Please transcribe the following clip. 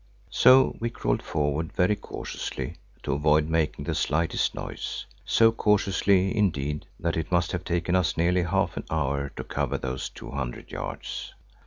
So we crawled forward very cautiously to avoid making the slightest noise; so cautiously, indeed, that it must have taken us nearly half an hour to cover those two hundred yards.